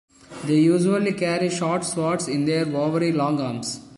They usually carry short swords in their overly long arms.